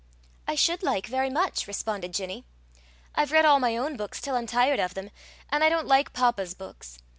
"I should like very much," responded Ginny. "I've read all my own books till I'm tired of them, and I don't like papa's books.